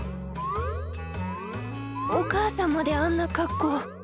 おかあさんまであんな格好。